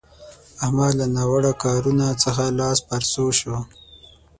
احمد له ناوړه کارونه څخه لاس پر سو شو.